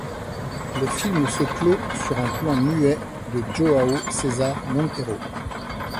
Le film se clôt sur un plan muet de João César Monteiro.